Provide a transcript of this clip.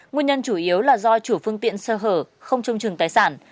nguyên nhân chủ yếu là do chủ phương tiện sơ hở không trông chừng tài sản